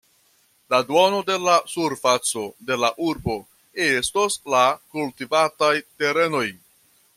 La duono de la surfaco de la urbo estos la kultivataj terenoj.